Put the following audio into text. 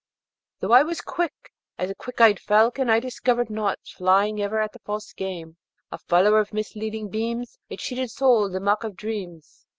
Though I was quick as the quick eyed falcon, I discovered nought, flying ever at false game, A follower of misleading beams, A cheated soul, the mock of dreams.